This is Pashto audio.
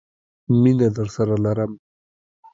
مینه درسره لرم!